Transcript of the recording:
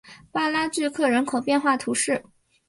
巴拉聚克人口变化图示